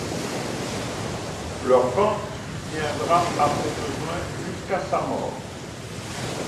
Leur vente subviendra à ses besoins jusqu'à sa mort.